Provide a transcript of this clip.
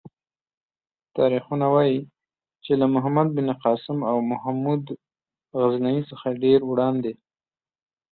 تاریخونه وايي چې له محمد بن قاسم او محمود غزنوي څخه ډېر وړاندې.